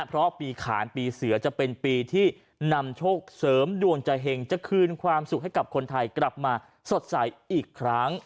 เพราะปีขานปีเสือจะเป็นปีที่นำโชคเสริมดวงจะเห็งจะคืนความสุขให้กับคนไทยกลับมาสดใสอีกครั้ง